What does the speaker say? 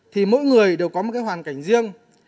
thì mỗi người đều có một hoàn cảnh riêng